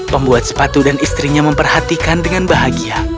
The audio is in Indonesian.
pembuat sepatu dan istrinya memperhatikan dengan bahagia